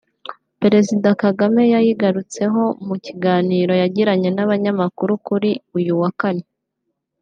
Perezida Kagame yayigarutseho mu kiganiro yagiranye n’Abanyamakuru kuri uyu wa Kane